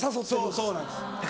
そうなんです。